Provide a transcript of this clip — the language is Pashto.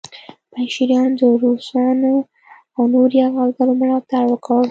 پنجشیریانو د روسانو او نورو یرغلګرو ملاتړ وکړ